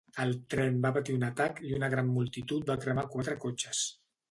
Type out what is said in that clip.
El tren va patir un atac i una gran multitud va cremar quatre cotxes.